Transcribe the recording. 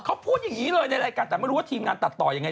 เขาพูดอย่างนี้เลยในรายการแต่ไม่รู้ว่าทีมงานตัดต่อยังไง